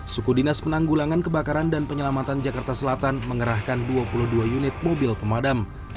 suku dinas penanggulangan kebakaran dan penyelamatan jakarta selatan mengerahkan dua puluh dua unit mobil pemadam